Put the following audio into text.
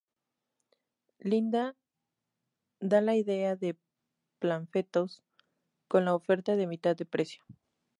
Linda da la idea de panfletos con la oferta de mitad de precio.